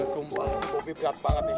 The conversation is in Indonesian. sumpah si bobby berat banget nih